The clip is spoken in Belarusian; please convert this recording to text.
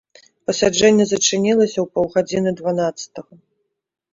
Пасяджэнне зачынілася ў паўгадзіны дванаццатага.